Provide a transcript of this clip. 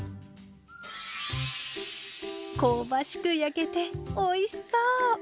香ばしく焼けておいしそう！